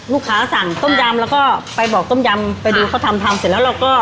สั่งต้มยำแล้วก็ไปบอกต้มยำไปดูเขาทำทำเสร็จแล้วเราก็